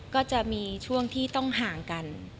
ก็จะมีช่วงที่ต้องห่างกัน